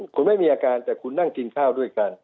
คุณไม่มีอาการแต่คุณนั่งกินข้าวด้วยกัน